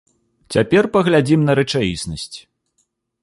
Цяпер паглядзім на рэчаіснасць.